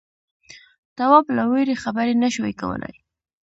تواب له وېرې خبرې نه شوې کولای.